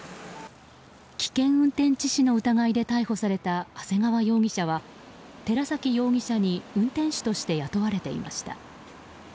危険運転致死の疑いで逮捕された長谷川容疑者は寺崎容疑者に運転手として雇われていました。